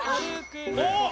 おっ！